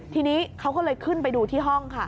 ทีนี้เขาก็เลยขึ้นไปดูที่ห้องค่ะ